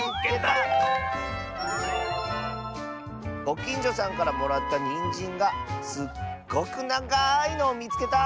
「ごきんじょさんからもらったにんじんがすっごくながいのをみつけた！」。